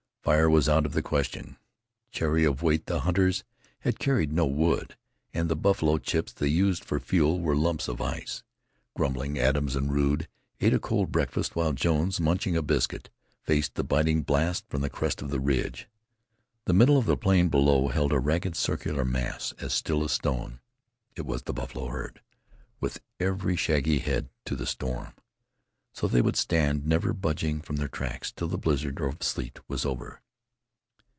Fire was out of the question. Chary of weight, the hunters had carried no wood, and the buffalo chips they used for fuel were lumps of ice. Grumbling, Adams and Rude ate a cold breakfast, while Jones, munching a biscuit, faced the biting blast from the crest of the ridge. The middle of the plain below held a ragged, circular mass, as still as stone. It was the buffalo herd, with every shaggy head to the storm. So they would stand, never budging from their tracks, till the blizzard of sleet was over.